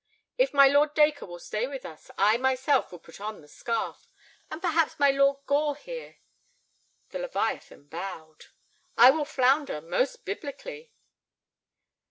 "If my Lord Dacre will stay with us, I myself will put on the scarf. And perhaps my Lord Gore—here—" The leviathan bowed. "I will flounder—most biblically."